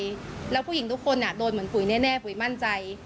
แล้วผู้หญิงทุกคนโดนเหมือนปุ๋ยแน่ปุ๋ยมั่นใจ